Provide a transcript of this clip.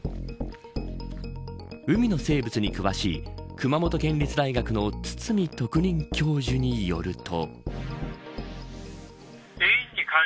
海の生物に詳しい熊本県立大学の堤特任教授によると。